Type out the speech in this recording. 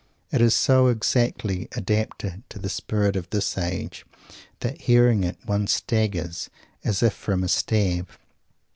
It is so exactly adapted to the spirit of this age that, hearing it, one staggers as if from a stab.